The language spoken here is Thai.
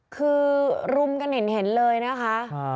คือรุมกันเห็นเลยนะคะ